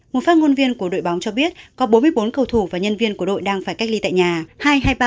một phát ngôn viên của đội bóng cho biết có bốn mươi bốn cầu thủ và nhân viên của đội đang phải cách ly tại nhà